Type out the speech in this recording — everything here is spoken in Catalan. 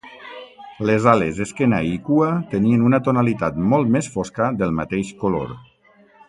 Les ales, esquena i cua tenien una tonalitat molt més fosca del mateix color.